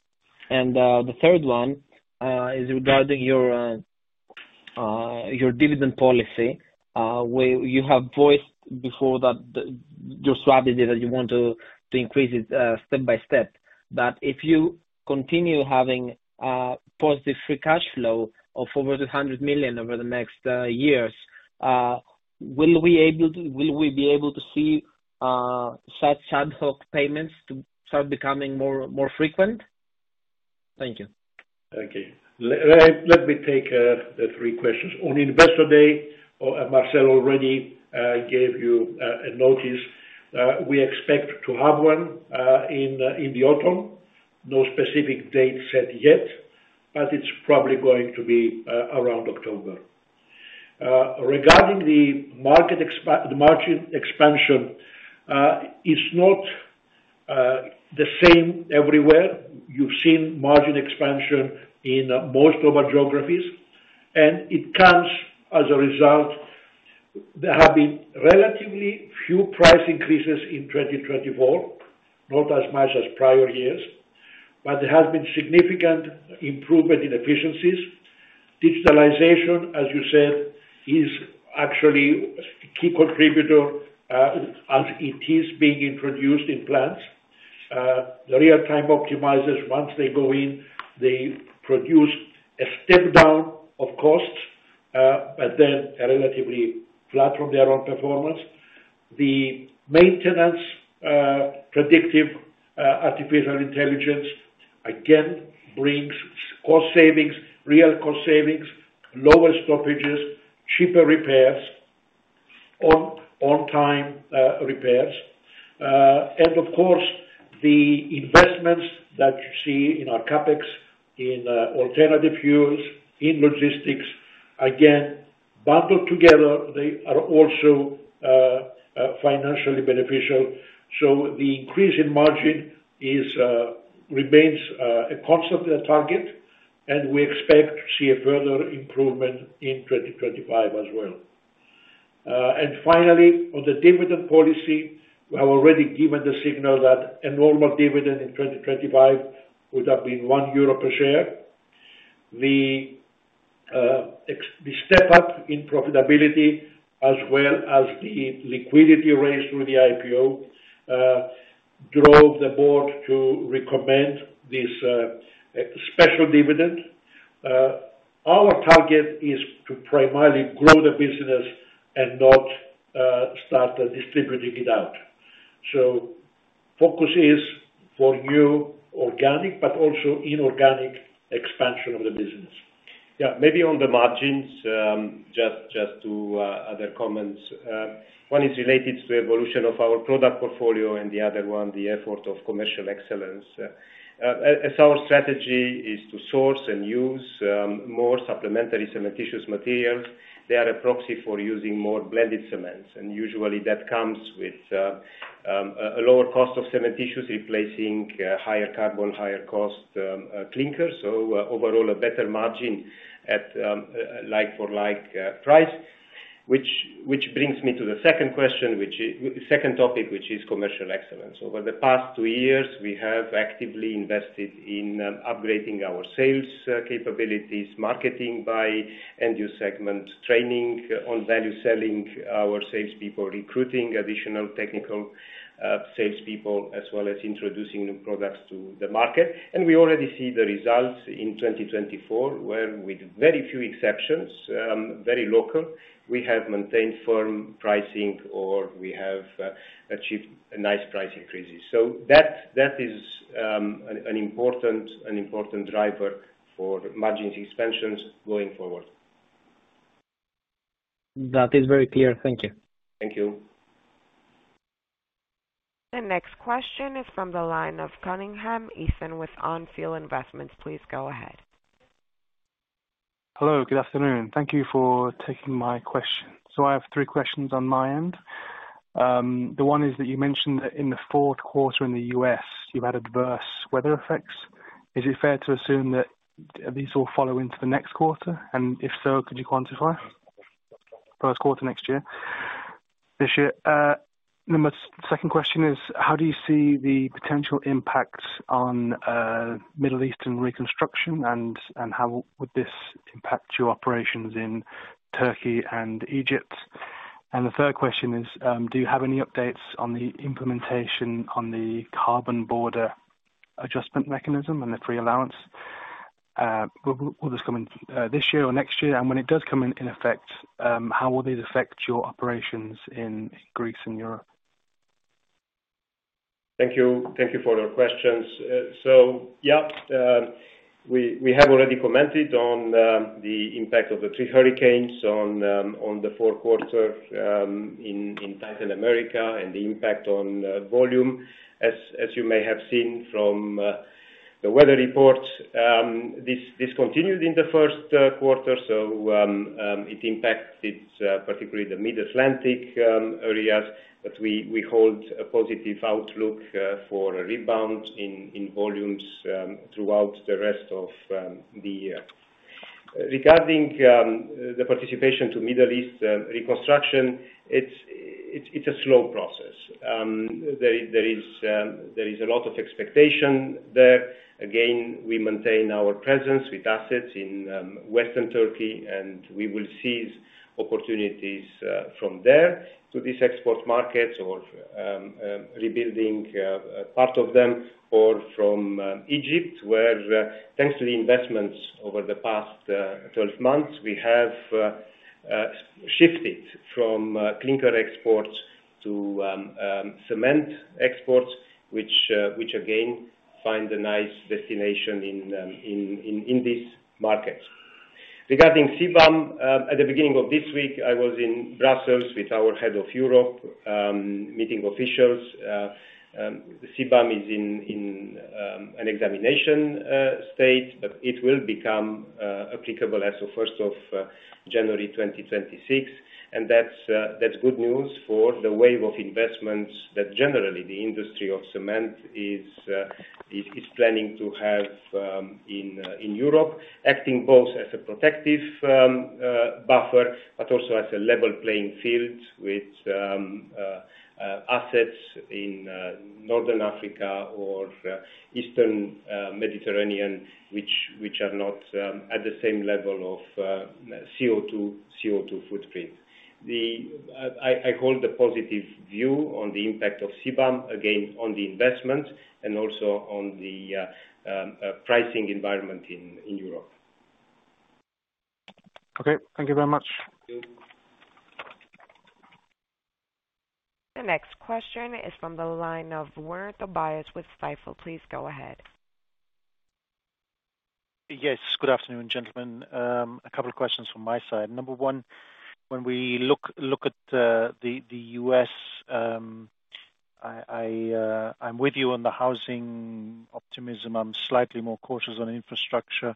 The third one is regarding your dividend policy. You have voiced before that your strategy that you want to increase it step by step. If you continue having positive free cash flow of over 200 million over the next years, will we be able to see such ad hoc payments start becoming more frequent? Thank you. Thank you. Let me take the three questions. On investor day, Marcel already gave you a notice. We expect to have one in the autumn. No specific date set yet, but it is probably going to be around October. Regarding the margin expansion, it is not the same everywhere. You've seen margin expansion in most of our geographies, and it comes as a result. There have been relatively few price increases in 2024, not as much as prior years, but there has been significant improvement in efficiencies. Digitalization, as you said, is actually a key contributor as it is being introduced in plants. The real-time optimizers, once they go in, they produce a step down of costs, but then relatively flat from their own performance. The maintenance predictive artificial intelligence, again, brings cost savings, real cost savings, lower stoppages, cheaper repairs, on-time repairs. Of course, the investments that you see in our CapEx, in alternative fuels, in logistics, again, bundled together, they are also financially beneficial. The increase in margin remains a constant target, and we expect to see a further improvement in 2025 as well. Finally, on the dividend policy, we have already given the signal that a normal dividend in 2025 would have been 1 euro per share. The step up in profitability, as well as the liquidity raised through the IPO, drove the board to recommend this special dividend. Our target is to primarily grow the business and not start distributing it out. Focus is for new organic, but also inorganic expansion of the business. Maybe on the margins, just two other comments. One is related to evolution of our product portfolio, and the other one, the effort of commercial excellence. As our strategy is to source and use more supplementary cementitious materials, they are a proxy for using more blended cements. Usually, that comes with a lower cost of cementitious replacing higher carbon, higher cost clinkers. Overall, a better margin at like-for-like price, which brings me to the second question, which is the second topic, which is commercial excellence. Over the past two years, we have actively invested in upgrading our sales capabilities, marketing by end-use segment, training on value selling, our salespeople recruiting additional technical salespeople, as well as introducing new products to the market. We already see the results in 2024, where with very few exceptions, very local, we have maintained firm pricing, or we have achieved nice price increases. That is an important driver for margins expansions going forward. That is very clear. Thank you. Thank you. The next question is from the line of Ethan Cunningham with On Field Investments. Please go ahead. Hello. Good afternoon. Thank you for taking my question. I have three questions on my end. The one is that you mentioned that in the fourth quarter in the U.S., you've had adverse weather effects. Is it fair to assume that these will follow into the next quarter? If so, could you quantify? First quarter next year. The second question is, how do you see the potential impacts on Middle Eastern reconstruction, and how would this impact your operations in Turkey and Egypt? The third question is, do you have any updates on the implementation on the Carbon Border Adjustment Mechanism and the free allowance? Will this come in this year or next year? When it does come in effect, how will these affect your operations in Greece and Europe? Thank you. Thank you for your questions. We have already commented on the impact of the three hurricanes on the fourth quarter in Titan America and the impact on volume. As you may have seen from the weather reports, this continued in the first quarter. It impacted particularly the Mid-Atlantic areas, but we hold a positive outlook for a rebound in volumes throughout the rest of the year. Regarding the participation to Middle East reconstruction, it's a slow process. There is a lot of expectation there. Again, we maintain our presence with assets in Western Turkey, and we will seize opportunities from there to these export markets or rebuilding part of them or from Egypt, where thanks to the investments over the past 12 months, we have shifted from clinker exports to cement exports, which again find a nice destination in these markets. Regarding CBAM, at the beginning of this week, I was in Brussels with our head of Europe meeting officials. CBAM is in an examination state, but it will become applicable as of January 1, 2026. That's good news for the wave of investments that generally the industry of cement is planning to have in Europe, acting both as a protective buffer, but also as a level playing field with assets in Northern Africa or Eastern Mediterranean, which are not at the same level of CO2 footprint. I hold a positive view on the impact of CBAM, again, on the investments and also on the pricing environment in Europe. Okay. Thank you very much. The next question is from the line of Tobias Woerner with Stifel. Please go ahead. Yes. Good afternoon, gentlemen. A couple of questions from my side. Number one, when we look at the U.S., I'm with you on the housing optimism. I'm slightly more cautious on infrastructure.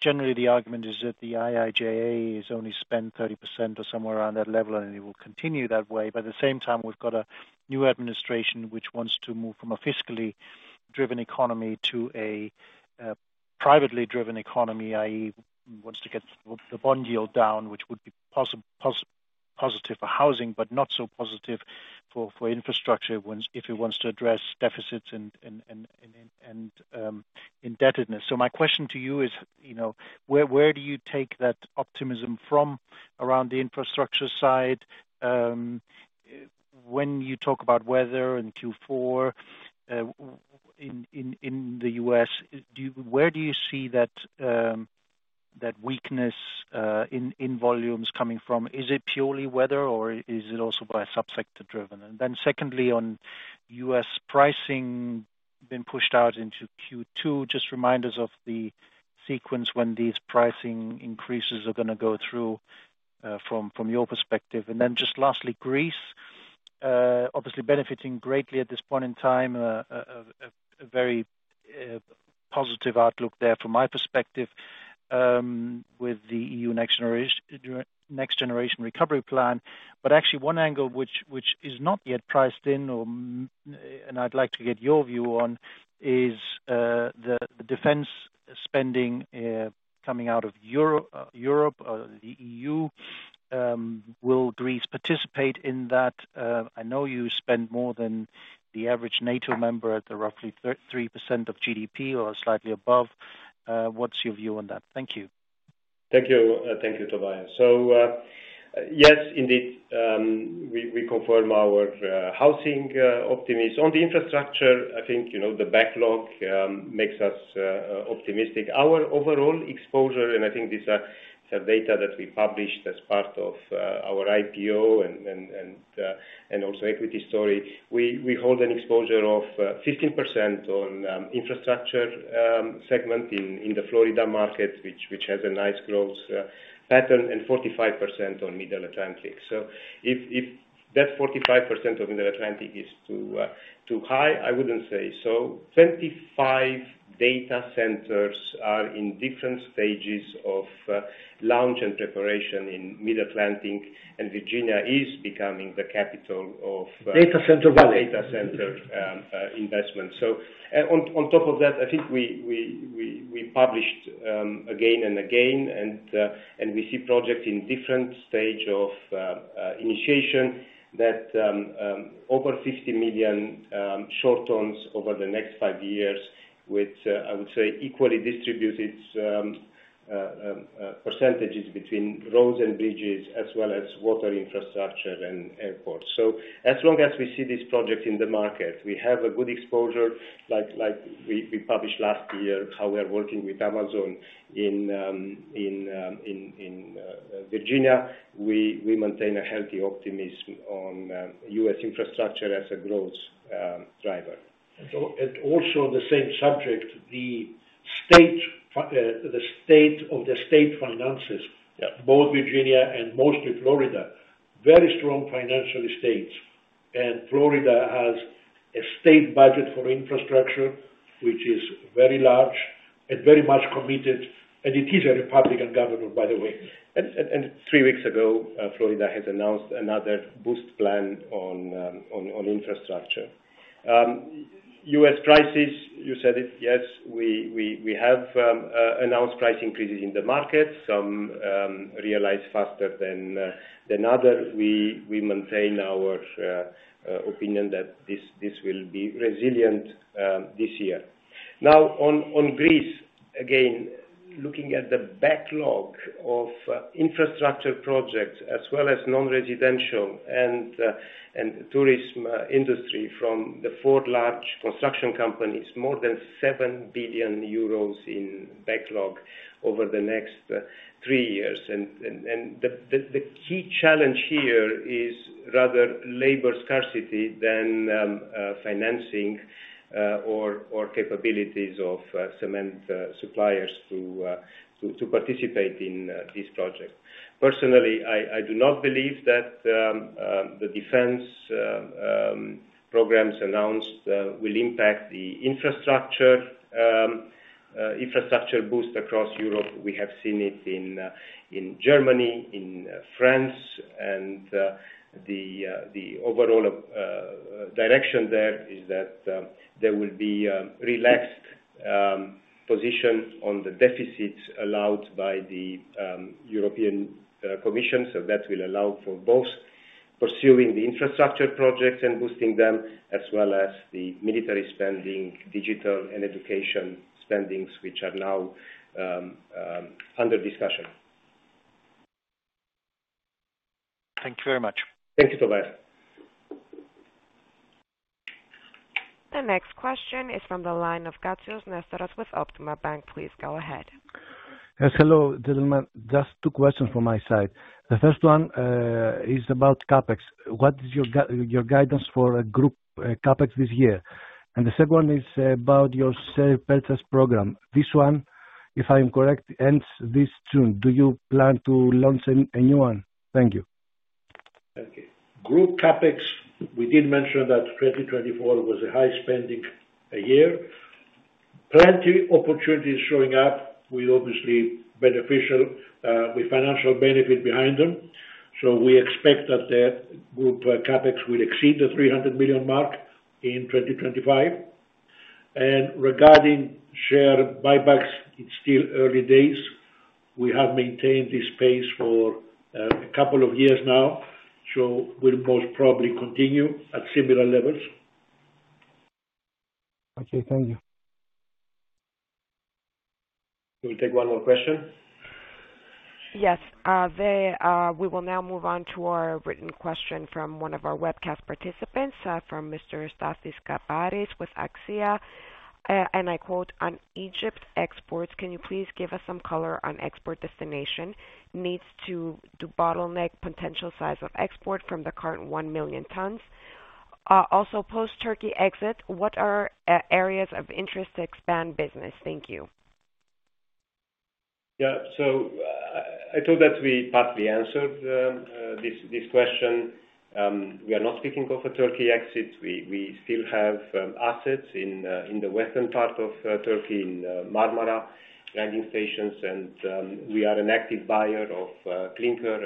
Generally, the argument is that the IIJA has only spent 30% or somewhere around that level, and it will continue that way. At the same time, we've got a new administration which wants to move from a fiscally driven economy to a privately driven economy, i.e., wants to get the bond yield down, which would be positive for housing, but not so positive for infrastructure if it wants to address deficits and indebtedness. My question to you is, where do you take that optimism from around the infrastructure side when you talk about weather and Q4 in the U.S.? Where do you see that weakness in volumes coming from? Is it purely weather, or is it also by subsector driven? Secondly, on U.S. pricing being pushed out into Q2, just remind us of the sequence when these pricing increases are going to go through from your perspective. Lastly, Greece, obviously benefiting greatly at this point in time, a very positive outlook there from my perspective with the EU Next Generation Recovery Plan. Actually, one angle which is not yet priced in, and I'd like to get your view on, is the defense spending coming out of Europe or the EU. Will Greece participate in that? I know you spend more than the average NATO member at roughly 3% of GDP or slightly above. What's your view on that? Thank you. Thank you, Tobias. Yes, indeed, we confirm our housing optimism. On the infrastructure, I think the backlog makes us optimistic. Our overall exposure, and I think these are data that we published as part of our IPO and also equity story, we hold an exposure of 15% on infrastructure segment in the Florida market, which has a nice growth pattern, and 45% on Middle Atlantic. If that 45% of Middle Atlantic is too high, I wouldn't say so. Twenty-five data centers are in different stages of launch and preparation in Middle Atlantic, and Virginia is becoming the capital of data center investment. I think we published again and again, and we see projects in different stages of initiation that are over $50 million short-terms over the next five years with, I would say, equally distributed percentages between roads and bridges, as well as water infrastructure and airports. As long as we see these projects in the market, we have a good exposure. Like we published last year how we are working with Amazon in Virginia, we maintain a healthy optimism on U.S. infrastructure as a growth driver. Also on the same subject, the state of the state finances, both Virginia and mostly Florida, very strong financial states. Florida has a state budget for infrastructure, which is very large and very much committed. It is a Republican government, by the way. Three weeks ago, Florida has announced another boost plan on infrastructure. U.S. prices, you said it, yes, we have announced price increases in the market. Some realize faster than others. We maintain our opinion that this will be resilient this year. Now, on Greece, again, looking at the backlog of infrastructure projects as well as non-residential and tourism industry from the four large construction companies, more than 7 billion euros in backlog over the next three years. The key challenge here is rather labor scarcity than financing or capabilities of cement suppliers to participate in this project. Personally, I do not believe that the defense programs announced will impact the infrastructure boost across Europe. We have seen it in Germany, in France. The overall direction there is that there will be a relaxed position on the deficits allowed by the European Commission. That will allow for both pursuing the infrastructure projects and boosting them, as well as the military spending, digital, and education spendings, which are now under discussion. Thank you very much. Thank you, Tobias. The next question is from the line of Nestoras Katsios with Optima Bank. Please go ahead. Yes. Hello, gentlemen. Just two questions from my side. The first one is about CapEx. What is your guidance for Group CapEx this year? The second one is about your share purchase program. This one, if I'm correct, ends this June. Do you plan to launch a new one? Thank you. Okay. Group CapEx, we did mention that 2024 was a high spending year. Plenty of opportunities showing up with obviously beneficial financial benefit behind them. We expect that the Group CapEx will exceed the 300 million mark in 2025. Regarding share buybacks, it's still early days. We have maintained this pace for a couple of years now. We will most probably continue at similar levels. Okay. Thank you. We'll take one more question. Yes. We will now move on to our written question from one of our webcast participants, from Mr. Stathis Kaparis with AXIA. I quote, "On Egypt's exports, can you please give us some color on export destination needs to bottleneck potential size of export from the current one million tons? Also, post-Turkey exit, what are areas of interest to expand business?" Thank you. Yeah. I thought that we partly answered this question. We are not speaking of a Turkey exit. We still have assets in the western part of Turkey in Marmara, driving stations. We are an active buyer of clinker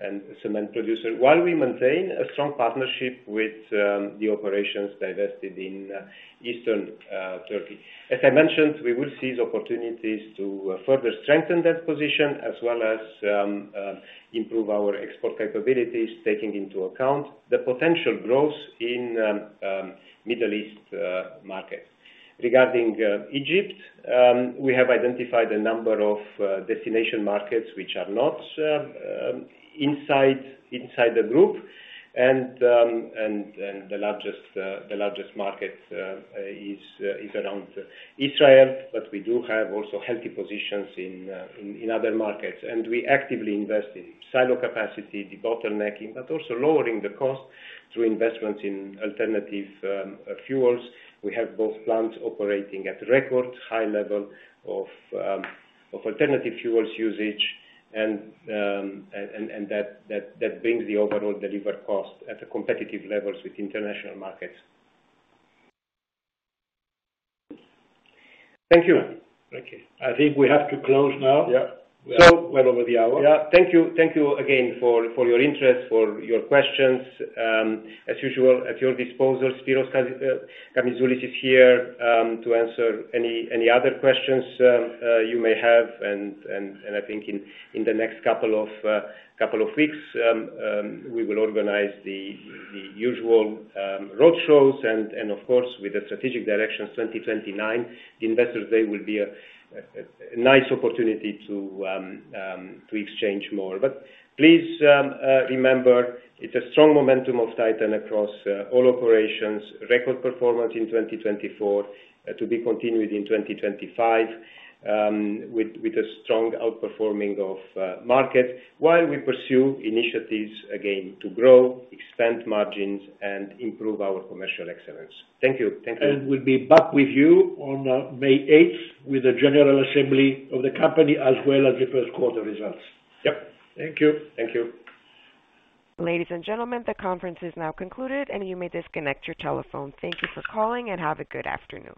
and cement producer, while we maintain a strong partnership with the operations divested in Eastern Turkey. As I mentioned, we will seize opportunities to further strengthen that position, as well as improve our export capabilities, taking into account the potential growth in Middle East markets. Regarding Egypt, we have identified a number of destination markets which are not inside the group. The largest market is around Israel, but we do have also healthy positions in other markets. We actively invest in silo capacity, the bottlenecking, but also lowering the cost through investments in alternative fuels. We have both plants operating at record high level of alternative fuels usage. That brings the overall delivered cost at a competitive level with international markets. Thank you. Thank you. I think we have to close now. Yeah. We are well over the hour. Yeah. Thank you again for your interest, for your questions. As usual, at your disposal, Spyros Kamizoulis is here to answer any other questions you may have. I think in the next couple of weeks, we will organize the usual road shows. Of course, with the strategic directions, 2029, the Investor's Day will be a nice opportunity to exchange more. Please remember, it is a strong momentum of Titan across all operations, record performance in 2024 to be continued in 2025 with a strong outperforming of markets while we pursue initiatives, again, to grow, expand margins, and improve our commercial excellence. Thank you. Thank you. We will be back with you on May 8th with the general assembly of the company, as well as the first quarter results. Yep. Thank you. Thank you. Ladies and gentlemen, the conference is now concluded, and you may disconnect your telephone. Thank you for calling, and have a good afternoon.